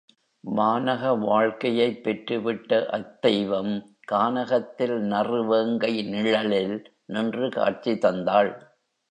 வானக வாழ்க்கையைப் பெற்றுவிட்ட அத்தெய்வம் கானகத்தில் நறுவேங்கை நிழலில் நின்று காட்சி தந்தாள்.